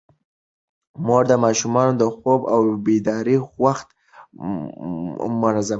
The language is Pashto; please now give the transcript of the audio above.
مور د ماشومانو د خوب او بیدارۍ وخت منظم کوي.